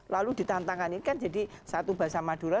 lalu ditantangkan ini kan jadi satu bahasa madura